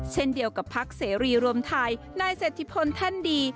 เช่นเดียวกับพักเสรีรวมไทยนายเศรษฐพลแท่นดี